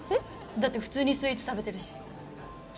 だって普通にスイーツ食べてるし。